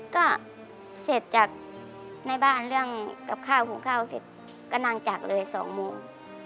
ก็เสร็จจากในบ้านเรื่องกับข้าวหุงข้าวเสร็จก็นั่งจักรเลย๒โมง